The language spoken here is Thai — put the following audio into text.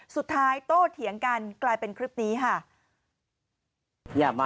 โตเถียงกันกลายเป็นคลิปนี้ค่ะ